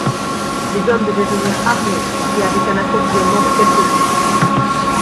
Les hommes devaient venir armés et avec un approvisionnement de quelques jours.